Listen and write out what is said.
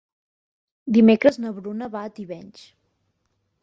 Dimecres na Bruna va a Tivenys.